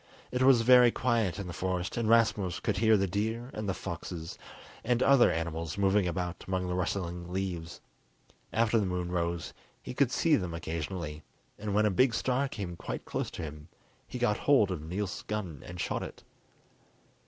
It was very quiet in the forest, and Rasmus could hear the deer and foxes and other animals moving about among the rustling leaves. After the moon rose he could see them occasionally, and when a big stag came quite close to him he got hold of Niels' gun and shot it.